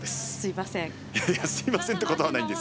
すみません。